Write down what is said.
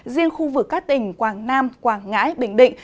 riêng khu vực các tỉnh quảng nam quảng ngãi bình định